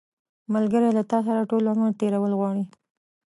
ملګری له تا سره ټول عمر تېرول غواړي